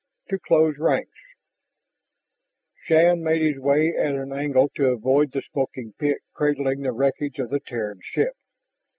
TO CLOSE RANKS Shann made his way at an angle to avoid the smoking pit cradling the wreckage of the Terran ship.